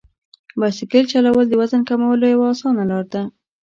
بایسکل چلول د وزن کمولو یوه اسانه لار ده.